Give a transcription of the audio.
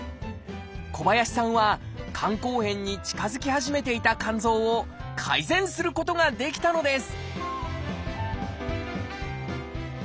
小林さんは肝硬変に近づき始めていた肝臓を改善することができたのです！